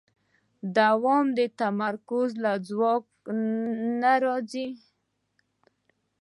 دوام د تمرکز له ځواک نه راځي.